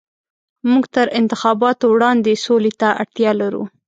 موږ تر انتخاباتو وړاندې سولې ته اړتيا لرو.